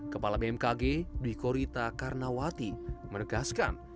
kepala bmkg dwi korita karnawati menegaskan